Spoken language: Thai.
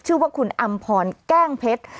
ชื่อว่าคุณอำพรแกล้งเพชร